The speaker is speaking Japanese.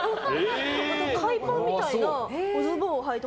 海パンみたいなズボンをはいて。